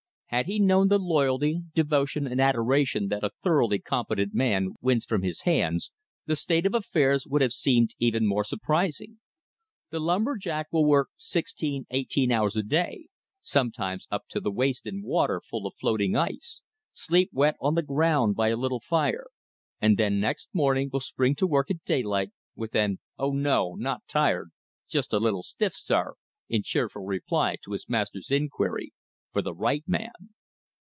Had he known the loyalty, devotion, and adoration that a thoroughly competent man wins from his "hands," the state of affairs would have seemed even more surprising. The lumber jack will work sixteen, eighteen hours a day, sometimes up to the waist in water full of floating ice; sleep wet on the ground by a little fire; and then next morning will spring to work at daylight with an "Oh, no, not tired; just a little stiff, sir!" in cheerful reply to his master's inquiry, for the right man!